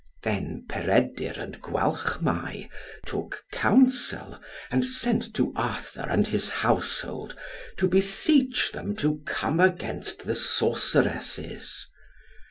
Then Peredur and Gwalchmai took counsel, and sent to Arthur and his household, to beseech them to come against the sorceresses.